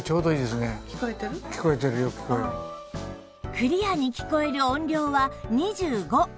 クリアに聞こえる音量は２５